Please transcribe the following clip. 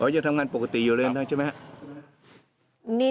จะทำงานปกติอยู่เลยนะใช่ไหมครับ